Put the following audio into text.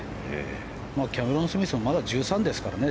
キャメロン・スミスもまだ１３ですからね。